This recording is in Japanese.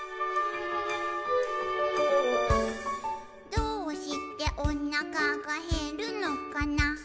「どうしておなかがへるのかな」